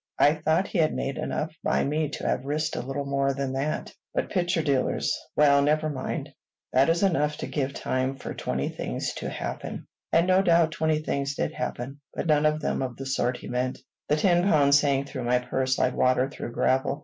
"I thought he had made enough by me to have risked a little more than that; but picture dealers Well, never mind. That is enough to give time for twenty things to happen." And no doubt twenty things did happen, but none of them of the sort he meant. The ten pounds sank through my purse like water through gravel.